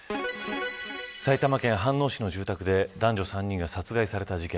埼玉県飯能市の住宅で男女３人が殺害された事件。